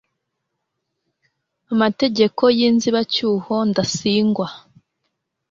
amategeko y inzibacyuho ndasingwa